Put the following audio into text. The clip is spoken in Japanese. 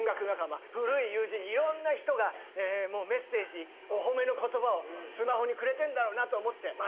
仲間古い友人いろんな人がメッセージお褒めの言葉をスマホにくれてんだろうなと思って。